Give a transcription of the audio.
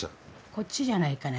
こっちじゃないかな。